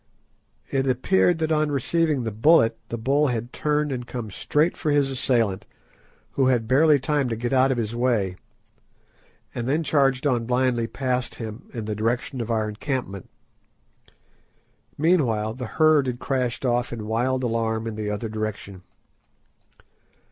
It appeared that on receiving the bullet the bull had turned and come straight for his assailant, who had barely time to get out of his way, and then charged on blindly past him, in the direction of our encampment. Meanwhile the herd had crashed off in wild alarm in the other direction.